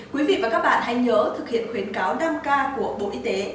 quý vị và các bạn hãy nhớ thực hiện khuyến cáo năm k của bộ y tế